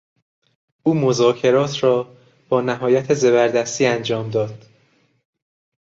او مذاکرات را با نهایت زبردستی انجام داد.